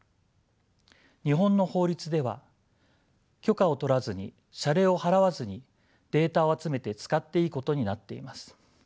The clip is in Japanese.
日本の法律では許可を取らずに謝礼を払わずにデータを集めて使っていいことになっています。